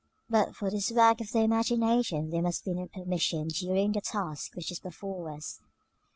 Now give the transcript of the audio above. But for this work of the imagination there must be no permission during the task which is before us.